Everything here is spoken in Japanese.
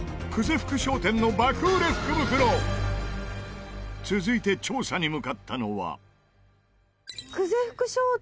福商店の爆売れ福袋続いて調査に向かったのは矢田：「久世福商店！」